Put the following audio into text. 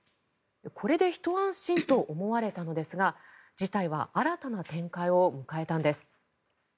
これでひと安心と思われたのですが事態は新たな展開を迎えたのです。